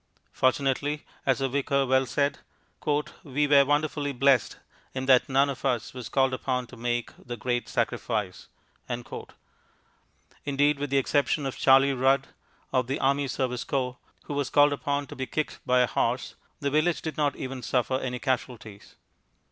Fortunately, as the Vicar well said, "we were wonderfully blessed in that none of us was called upon to make the great sacrifice." Indeed, with the exception of Charlie Rudd, of the Army Service Corps, who was called upon to be kicked by a horse, the village did not even suffer any casualties.